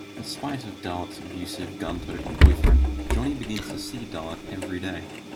In spite of Darlette's abusive gun-toting boyfriend, Johnny begins to see Darlette every day.